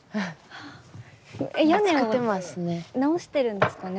屋根を直しているんですかね？